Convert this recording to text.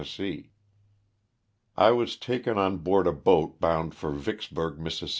I was taken on board a boat bound for Vicksburg, Miss.